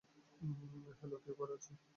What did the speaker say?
Hello, কেউ ঘরে আছো?